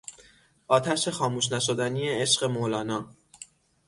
آتش خاموش نشدنی عشق مولانا